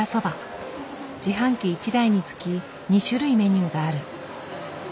自販機１台につき２種類メニューがある。